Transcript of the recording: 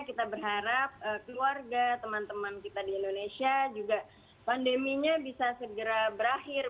kita berharap keluarga teman teman kita di indonesia juga pandeminya bisa segera berakhir